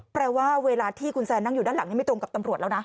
แปลว่าเวลาที่คุณแซนนั่งอยู่ด้านหลังนี้ไม่ตรงกับตำรวจแล้วนะ